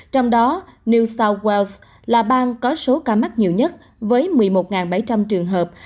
trong đó new south wales là bang có số ca mắc nhiều nhất với một mươi một bảy trăm linh trường hợp